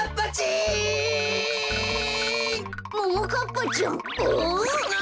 ももかっぱちゃんあ！